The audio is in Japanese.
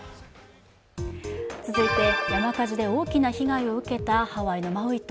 続いて山火事で大きな被害を受けたハワイのマウイ島。